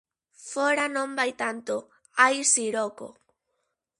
-Fóra non vai tanto, hai siroco.